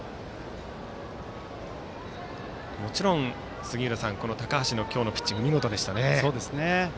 もちろん、杉浦さん高橋の今日のピッチングは見事でしたね。